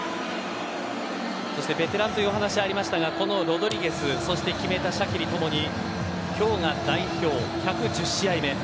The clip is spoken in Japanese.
そしてベテランというお話ありましたがこのロドリゲス決めたシャキリともに今日が代表１１０試合目。